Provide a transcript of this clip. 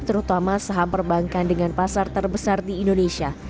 terutama saham perbankan dengan pasar terbesar di indonesia